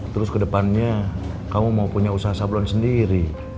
terus ke depannya kamu mau punya usaha sablon sendiri